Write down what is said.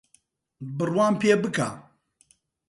بڕوام پێبکە